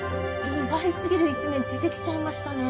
意外すぎる一面出てきちゃいましたね。